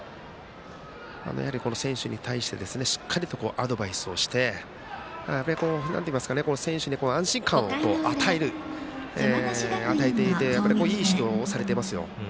選手に対して、しっかりとアドバイスをして選手に安心感を与えていていい指導をされていますよ。